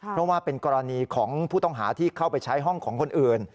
เพราะว่าเป็นกรณีของผู้ต้องหาที่เข้าไปใช้ห้องของคนอื่น